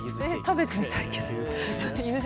食べてみたいけど。